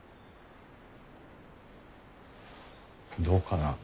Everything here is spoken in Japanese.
どうかな？